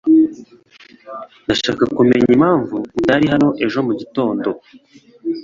Ndashaka kumenya impamvu mutari hano ejo mugitondo.